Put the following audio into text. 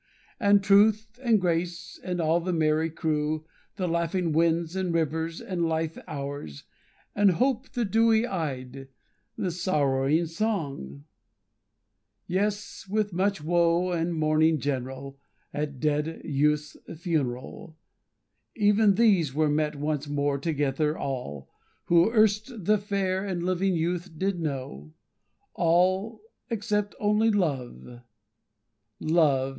And Truth, and Grace, and all the merry crew, The laughing Winds and Rivers, and lithe Hours; And Hope, the dewy eyed; and sorrowing Song; Yes, with much woe and mourning general, At dead Youth's funeral, Even these were met once more together, all, Who erst the fair and living Youth did know; All, except only Love.